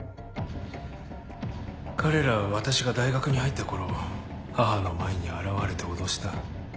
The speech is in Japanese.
彼らは私が大学に入った頃母の前に現れて脅した。